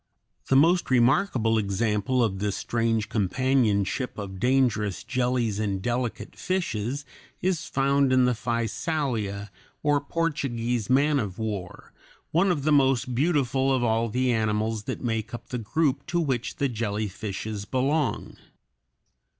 The most remarkable example of this strange companionship of dangerous jellies and delicate fishes is found in the Physalia, or Portuguese man of war (Fig. 26), one of the most beautiful of all the animals that make up the group to which the jellyfishes belong.